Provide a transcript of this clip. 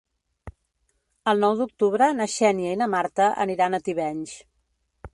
El nou d'octubre na Xènia i na Marta aniran a Tivenys.